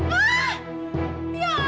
kenapa jadi hilang semuanya